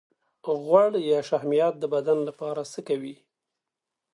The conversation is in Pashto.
غوړ یا شحمیات د بدن لپاره څه کوي